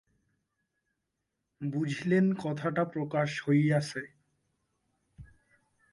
বুঝিলেন কথাটা প্রকাশ হইয়াছে।